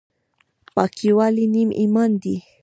پاکي ولې نیم ایمان دی؟